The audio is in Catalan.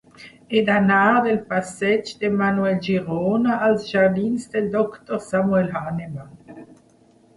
He d'anar del passeig de Manuel Girona als jardins del Doctor Samuel Hahnemann.